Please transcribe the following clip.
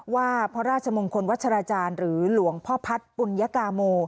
ว่าพระราชมงคลวัชราจารย์หรือหลวงพ่อพัฒน์ปุญกาโม